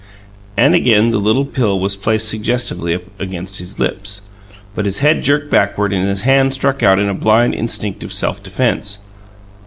And again the little pill was placed suggestively against his lips; but his head jerked backward, and his hand struck out in blind, instinctive self defense.